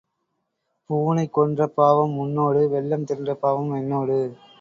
பூனை கொன்ற பாவம் உன்னோடு, வெல்லம் தின்ற பாவம் என்னோடு.